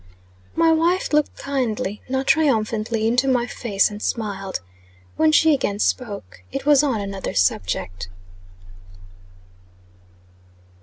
My wife looked kindly, not triumphantly, into my face, and smiled. When she again spoke, it was on another subject.